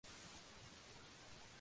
James Theatre"; acortado a "St.